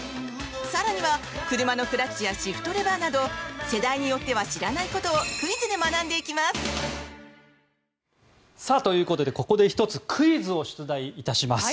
更には車のクラッチやシフトレバーなど世代によっては知らないことをクイズで学んでいきます！ということで、ここで１つクイズを出題いたします。